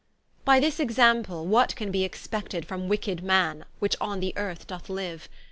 By this Example, what can be expected From wicked Man, which on the Earth doth liue?